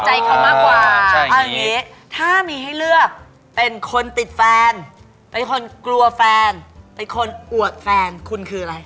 ใจเขามากกว่าเอาอย่างนี้ถ้ามีให้เลือกเป็นคนติดแฟนเป็นคนกลัวแฟนเป็นคนอวดแฟนคุณคืออะไร